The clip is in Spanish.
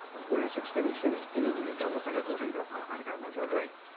Algunas expediciones tienen limitado el recorrido a Arganda del Rey.